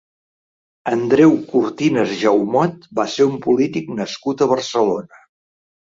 Andreu Cortines Jaumot va ser un polític nascut a Barcelona.